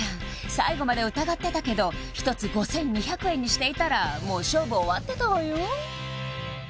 最後まで疑ってたけど１つ５２００円にしていたらもう勝負終わってたわよ